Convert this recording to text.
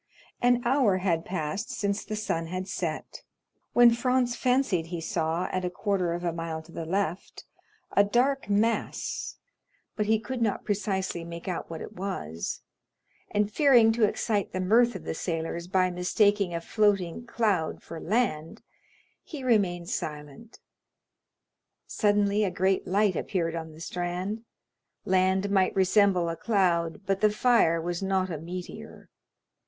An hour had passed since the sun had set, when Franz fancied he saw, at a quarter of a mile to the left, a dark mass, but he could not precisely make out what it was, and fearing to excite the mirth of the sailors by mistaking a floating cloud for land, he remained silent; suddenly a great light appeared on the strand; land might resemble a cloud, but the fire was not a meteor.